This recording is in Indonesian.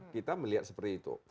kita melihat seperti itu